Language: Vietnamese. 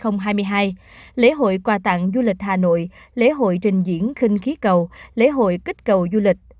năm hai nghìn hai mươi hai lễ hội quà tặng du lịch hà nội lễ hội trình diễn khinh khí cầu lễ hội kích cầu du lịch